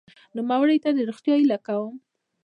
نوموړي ته د روغتیا هیله کوم.